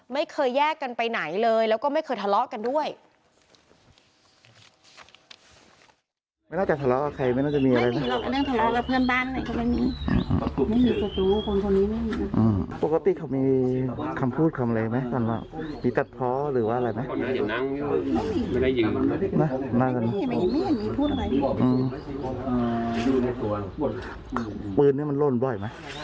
ไม่เคยแยกกันไปไหนเลยแล้วก็ไม่เคยทะเลาะกันด้วย